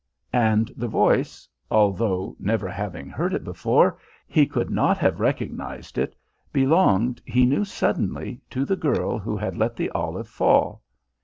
And the voice, although never having heard it before, he could not have recognised it, belonged, he knew suddenly, to the girl who had let the olive fall.